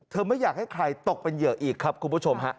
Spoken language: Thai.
ไม่อยากให้ใครตกเป็นเหยื่ออีกครับคุณผู้ชมฮะ